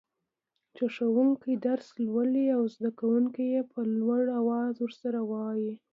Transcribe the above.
چي ښوونکي درس لولي او زده کوونکي يي په لوړ اواز ورسره وايي.